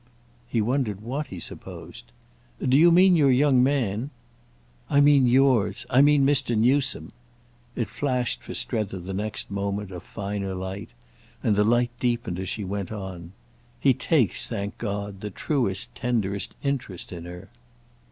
He wondered what he supposed. "Do you mean your young man—?" "I mean yours. I mean Mr. Newsome." It flashed for Strether the next moment a finer light, and the light deepened as she went on. "He takes, thank God, the truest tenderest interest in her."